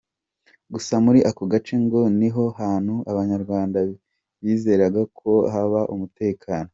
Gusa muri ako gace ngo ni ho hantu abanyarwanda bizeraga ko haba umutekano.